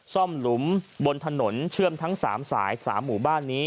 หลุมบนถนนเชื่อมทั้ง๓สาย๓หมู่บ้านนี้